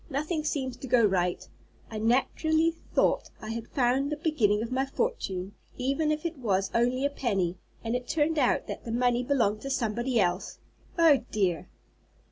Nothing seems to go right. I naturally thought I had found the beginning of my fortune, even if it was only a penny, and it turned out that the money belonged to somebody else. Oh dear!"